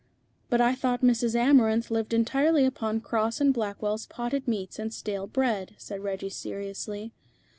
"But I thought Mrs. Amarinth lived entirely upon Cross and Blackwell's potted meats and stale bread," said Reggie seriously.